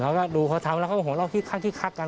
แล้วก็ดูเขาทำแล้วเขาบอกเราคิดคักกัน